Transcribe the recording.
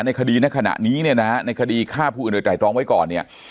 ในคดีในขณะนี้เนี่ยนะฮะในคดีฆ่าผู้อื่นโดยไตรตรองไว้ก่อนเนี่ย